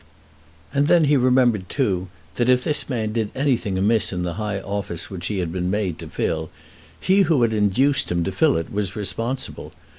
And then he remembered, too, that if this man did anything amiss in the high office which he had been made to fill, he who had induced him to fill it was responsible.